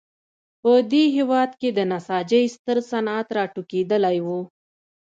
په دې هېواد کې د نساجۍ ستر صنعت راټوکېدلی و.